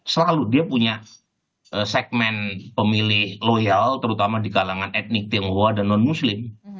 selalu dia punya segmen pemilih loyal terutama di kalangan etnik tionghoa dan non muslim